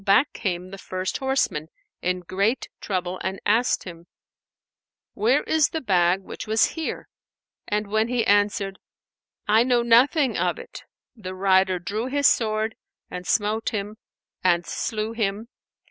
back came the first horseman in great trouble and asked him, "Where is the bag which was here?" and when he answered, "I know nothing of it," the rider drew his sword and smote him and slew him.